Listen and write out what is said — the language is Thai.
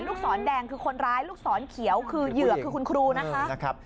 ลูกศรแดงคือคนร้ายลูกศรเขียวคือเหยื่อคือคุณครูนะคะ